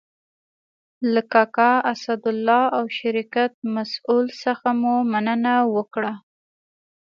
له کاکا اسدالله او شرکت مسئول څخه مو مننه وکړه.